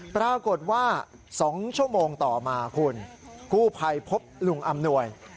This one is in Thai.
ปรากฏว่า๒ชั่วโมงต่อมาคุณกู้ภัยพบลุงอำนวย